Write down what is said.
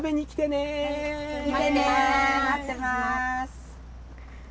待ってます。